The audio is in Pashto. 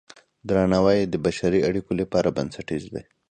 درناوی د بشري اړیکو لپاره بنسټیز دی.